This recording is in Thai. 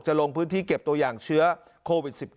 ลงพื้นที่เก็บตัวอย่างเชื้อโควิด๑๙